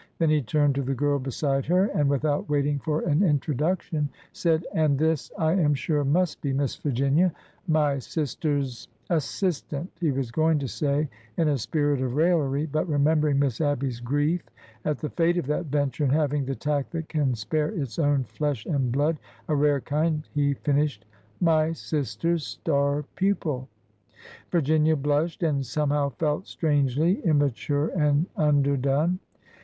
Then he turned to the girl beside her, and, without waiting for an introduction, said :'' And this I am sure must be Miss Virginia— my sis ter's—" assistant he was going to say in a spirit of rail lery; but, remembering Miss Abby's grief at the fate of that venture, and having the tact that can spare its own flesh and blood,— a rare kind,— he finished—'' my sister's star pupil." Virginia blushed and somehow felt strangely imma ture and underdone.